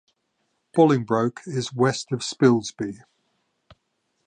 Bolingbroke is west of Spilsby.